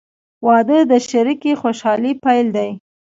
• واده د شریکې خوشحالۍ پیل دی.